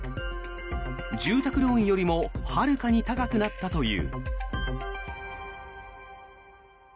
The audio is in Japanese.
住宅ローンよりもはるかに高くなったという。